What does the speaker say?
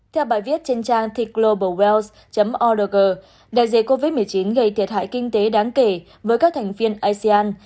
theo bài viết trên trang ticlobals org đại dịch covid một mươi chín gây thiệt hại kinh tế đáng kể với các thành viên asean